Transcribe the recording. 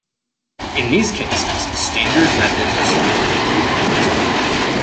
In these cases, standard methods of seniority are utilized.